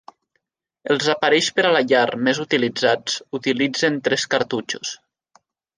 Els aparells per a la llar més utilitzats utilitzen tres cartutxos.